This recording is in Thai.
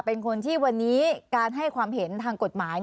เป็นคนที่วันนี้การให้ความเห็นทางกฎหมาย